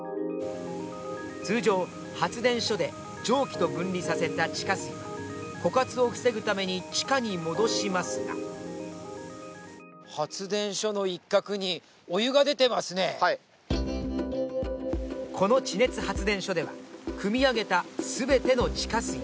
通常発電所で、上記と分離させた地下水は枯渇を防ぐために地下に戻しますが、この地熱発電所では、くみ上げた全ての地下水。